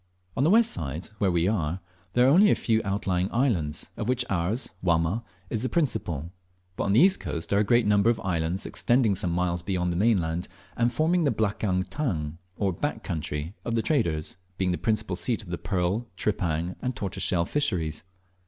On the west side, where we are, there are only a few outlying islands, of which ours (Wamma) is the principal; but on the east coast are a great number of islands, extending some miles beyond the mainland, and forming the "blakang tang," or "back country," of the traders, being the principal seat of the pearl, tripang, and tortoiseshell fisheries.